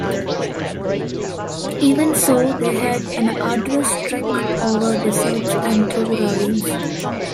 Even so, they had an arduous trek over deserts and through ravines.